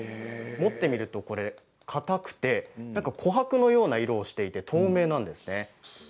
持ってみると、かたくて琥珀のような色をしていて透明なんですね。